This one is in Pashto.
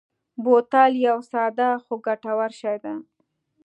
بوتل یو ساده خو ګټور شی دی.